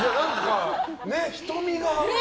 瞳が。